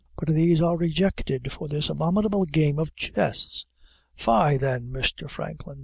But these are rejected for this abominable game of chess. Fie, then, Mr. Franklin!